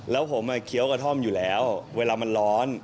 แล้วผมเคี้ยวกระท่อมอยู่แล้วเวลามันร้อน